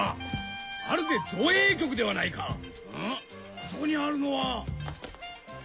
あそこにあるのは。